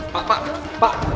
pak pak pak